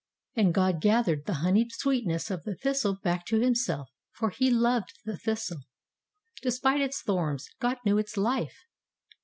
And God gathered the honeyed sweetness of the thistle back to Himself, for He loved the thistle. De spite its thorns, God knew its life.